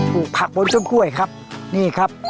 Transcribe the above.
ลูกผักบนต้นกล้วยครับนี่ครับ